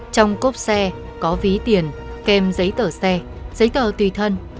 trong cốp xe có ví tiền kèm giấy tờ xe giấy tờ tùy thân